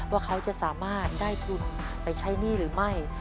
ว่าเขาจะสามารถได้ทุนไปใช้หนี้หรือไม่